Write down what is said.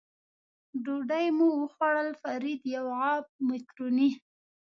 ډوډۍ مو وخوړل، فرید یو غاب مکروني.